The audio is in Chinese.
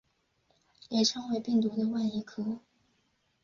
也称为病毒的外衣壳。